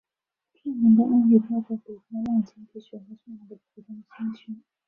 著名的案例包括北京的望京地区和上海的浦东新区。